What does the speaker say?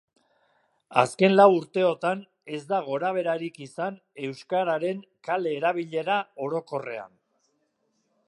Azken lau urteotan, ez da gorabeherarik izan euskararen kale-erabilera orokorrean.